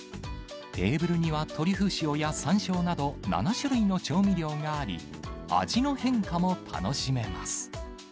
テーブルにはトリュフ塩やさんしょうなど、７種類の調味料があり、味の変化も楽しめます。